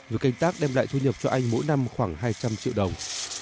việc canh tác đem lại thu nhập cho anh mỗi năm khoảng hai trăm linh triệu đồng